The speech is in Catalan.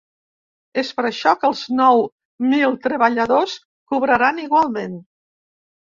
És per això que els nou mil treballadors cobraran igualment.